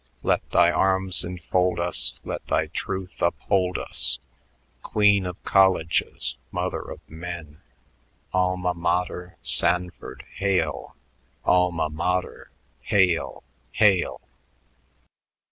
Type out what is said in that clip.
Let thy arms enfold us; Let thy truth uphold us. Queen of colleges, mother of men Alma mater, Sanford hail! Alma mater Hail! Hail!"